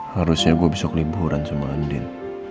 harusnya gue besok liburan sama andin